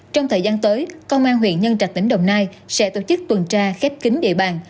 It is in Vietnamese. trong thời gian tới công an huyện nhân trạch tỉnh đồng nai sẽ tổ chức tuần tra khép kính địa bàn